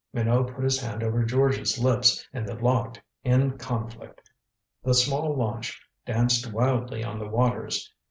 Minot put his hand over George's lips, and they locked in conflict. The small launch danced wildly on the waters.